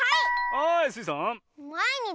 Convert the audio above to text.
はいスイさん。